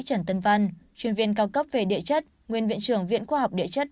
trần tân văn chuyên viên cao cấp về địa chất nguyên viện trưởng viện khoa học địa chất